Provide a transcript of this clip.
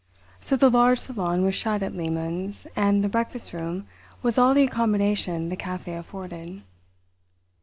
So the large salon was shut at Lehmann's and the breakfast room was all the accommodation the café afforded.